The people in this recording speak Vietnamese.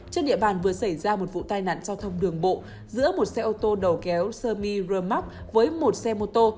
trên địa bàn vừa xảy ra một vụ tai nạn giao thông đường bộ giữa một xe ô tô đầu kéo semi rơm mắc với một xe mô tô